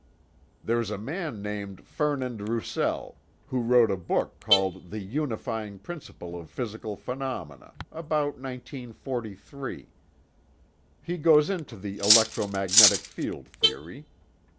"There's a man named Fernand Roussel who wrote a book called The Unifying Principle of Physical Phenomena, about 1943. He goes into the electromagnetic field theory.